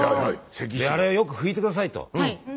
あれよく拭いて下さいと。